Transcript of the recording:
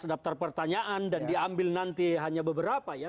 dapat empat belas daftar pertanyaan dan diambil nanti hanya beberapa ya